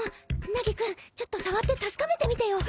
凪くんちょっと触って確かめてみてよ。